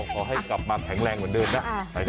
ขอให้กลับมาแข็งแรงเหมือนเดิมนะ